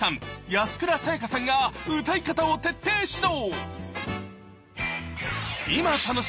安倉さやかさんが歌い方を徹底指導！